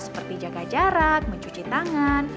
seperti jaga jarak mencuci tangan